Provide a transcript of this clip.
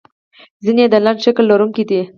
ځینې یې د لنډ شکل لرونکي دي.